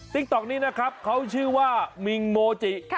ต๊อกนี้นะครับเขาชื่อว่ามิงโมจิ